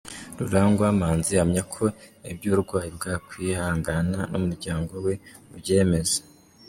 Rurangwa Manzi ahamya ko iby’uburwayi bwa Kwihangana n’umuryango we ubyemeza.